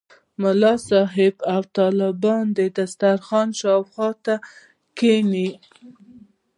ملا صاحب او طالبان د دسترخوان شاوخوا کېني.